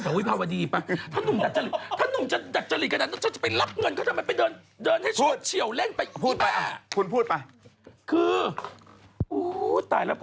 อะไรมากมายเลย